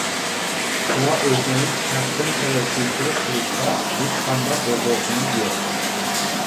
شۇڭا ئۆزىڭىز شەخسەن تەۋەككۈلچىلىك قىلىشقا ھېچقانداق ھوقۇقىڭىز يوق.